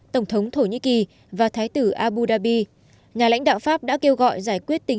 tổng thống thổ nhĩ kỳ và thái tử abu dhabi nhà lãnh đạo pháp đã kêu gọi giải quyết tình